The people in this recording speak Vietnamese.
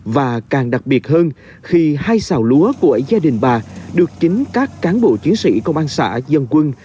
và càng đặc biệt hơn khi hai xào lúa của gia đình bà được chính các cán bộ chiến sĩ công an xã dân quân